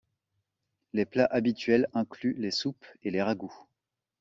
Les plats habituels incluent les soupes et les ragoûts.